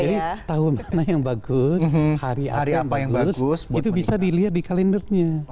jadi tahun mana yang bagus hari apa yang bagus itu bisa dilihat di kalendernya